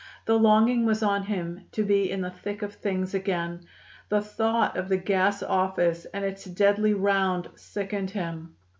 The longing was on him to be in the thick of things again. The thought of the gas office and its deadly round sickened him.